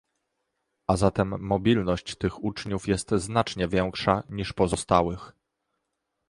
A zatem mobilność tych uczniów jest znacznie większa niż pozostałych